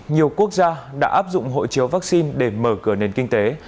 nhiều quốc gia đã áp dụng hộ chiếu vaccine để mở cửa nền kinh tế